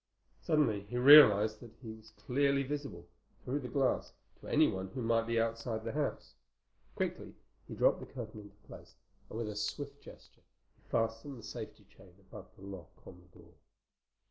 Suddenly he realized that he was clearly visible, through the glass, to anyone who might be outside the house. Quickly he dropped the curtain into place and with a swift gesture he fastened the safety chain above the lock on the door.